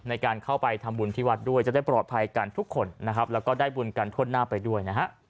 ในการเข้าไปทำบุญที่วัดด้วยจะได้ปลอดภัยกันทุกคนและได้บุญการทดหน้าไปด้วย